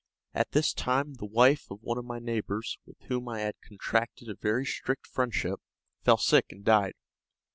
At this time the wife of one of my neighbors, with whom I had contracted a very strict friendship, fell sick and died.